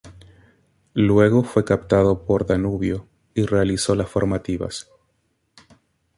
Luego fue captado por Danubio y realizó las formativas.